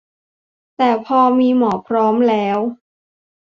แต่พอมีหมอพร้อมแล้ว